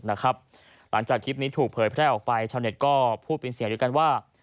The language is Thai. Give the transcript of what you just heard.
หลังจากคลิปนี้ถูกเผยแพร่ออกไปชาวเน็ตก็พูดเป็นเสียงเดียวกันว่า